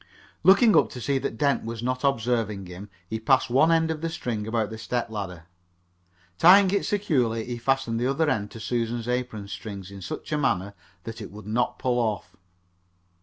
Looking up to see that Dent was not observing him, he passed one end of the string about the step ladder. Tying it securely, he fastened the other end to Susan's apron strings in such a manner that it would not pull off.